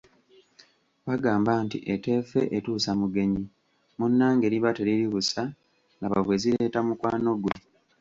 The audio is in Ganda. Bagamba nti eteefe etuusa mugenyi, munnange liba teriri busa laba bwe zireeta mukwano gwe.